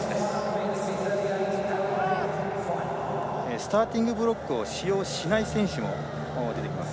スターティングブロックを使用しない選手も出てきます。